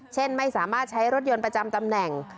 เช่นไม่สามารถใช้รถยนต์ประจำตำแหน่ง